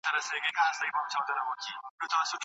پاچا له محمود څخه راپور شوی اس پر سر سپور شو.